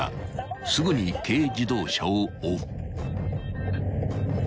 ［すぐに軽自動車を追う］